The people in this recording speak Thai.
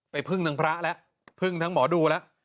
ไปผึ้งทั้งพระและผึ้งทั้งหมอดูและ